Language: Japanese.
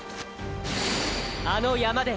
あの山で！